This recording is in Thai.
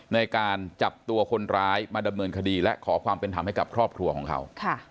ในการจับตัวคนร้ายมาดำเนินคดีและขอความเป็นธรรมให้กับครอบครัวของเขา